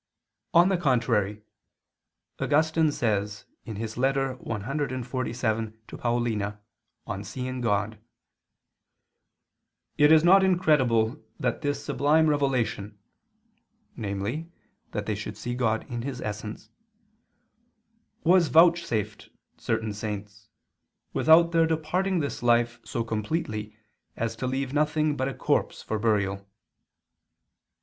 On the contrary, Augustine says (Ep. CXLVII, 13, ad Paulin.; de videndo Deum): "It is not incredible that this sublime revelation" (namely, that they should see God in His essence) "was vouchsafed certain saints, without their departing this life so completely as to leave nothing but a corpse for burial."